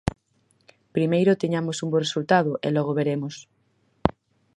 Primeiro teñamos un bo resultado e logo veremos.